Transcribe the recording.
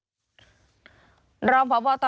คุณระพินฮะคุณระพินฮะ